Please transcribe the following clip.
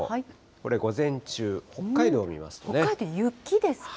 これ午前北海道、雪ですか？